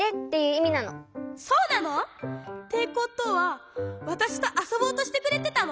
そうなの！？ってことはわたしとあそぼうとしてくれてたの？